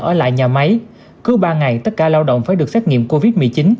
ở lại nhà máy cứ ba ngày tất cả lao động phải được xét nghiệm covid một mươi chín